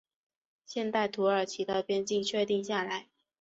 现代土耳其的边境确定下来。